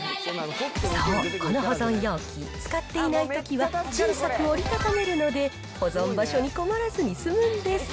そう、この保存容器、使っていないときは、小さく折り畳めるので保存場所に困らずに済むんです。